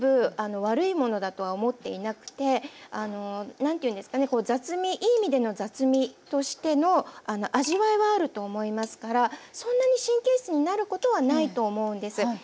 何ていうんですかね雑味いい意味での雑味としての味わいはあると思いますからそんなに神経質になることはないと思うんです。